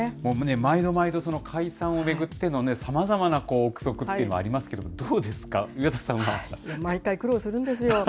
毎度毎度、解散を巡ってのね、さまざまな臆測というのがありますけれども、どうですか、毎回苦労するんですよ。